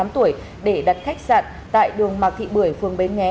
bốn mươi tám tuổi để đặt khách sạn tại đường mạc thị bưởi phường bến nghé